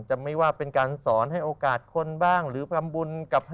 จะไม่ว่าเป็นการสอนให้โอกาสคนบ้างหรือทำบุญกับ